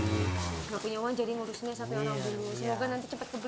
nggak punya uang jadi ngurusinnya sapi orang dulu